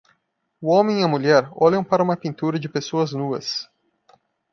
O homem e a mulher olham para uma pintura de pessoas nuas.